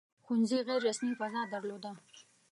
• ښوونځي غیر رسمي فضا درلوده.